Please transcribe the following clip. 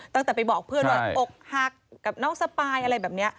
ตั้งแต่ไปบอกเพื่อนว่าอกหักกับน้องสปายอะไรแบบนี้